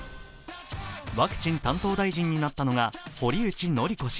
ワクチン担当大臣になったのが堀内詔子氏。